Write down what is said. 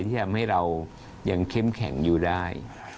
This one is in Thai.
ที่ทำให้เรายังเข้มแข็งอยู่ได้